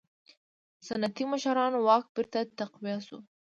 سنتي مشرانو واک بېرته تقویه شو.